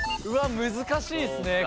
うわっ難しいですね